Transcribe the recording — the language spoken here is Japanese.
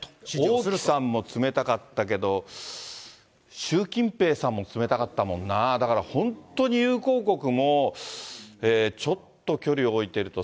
王毅さんも冷たかったけど、習近平さんも冷たかったもんな、だから本当に友好国も、ちょっと距離を置いてると。